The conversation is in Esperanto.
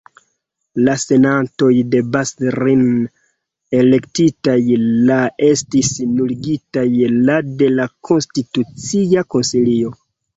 La senatanoj de Bas-Rhin elektitaj la estis nuligitaj la de la Konstitucia Konsilio.